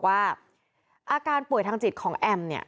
อาการป่วยทางจิตของแอม